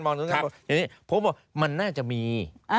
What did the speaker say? ผมบอกมันน่าจะมี